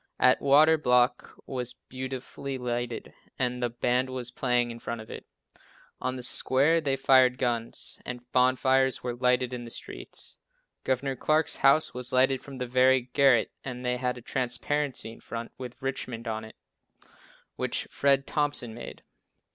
Atwater block was beautifully lighted and the band was playing in front of it. On the square they fired guns, and bonfires were lighted in the streets. Gov. Clark's house was lighted from the very garret and they had a transparency in front, with "Richmond" on it, which Fred Thompson made.